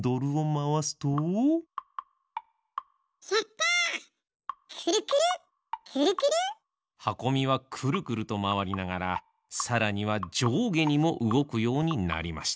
クルクル！はこみはクルクルとまわりながらさらにはじょうげにもうごくようになりました。